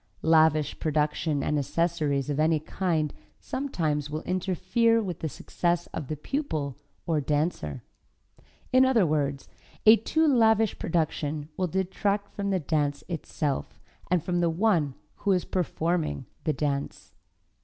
Lavish production and accessories of any kind sometimes will interfere with the success of the pupil, or dancer. In other words, a too lavish production will detract from the dance itself and from the one who is performing the dance.